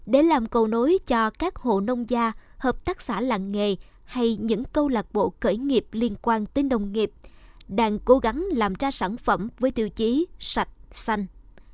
để làm cầu nối cho các hộ nông gia hợp tác xã làng nghề hay những câu lạc bộ cởi nghiệp liên quan đến nông nghiệp đang cố gắng làm ra sản phẩm với tiêu chí sạch xanh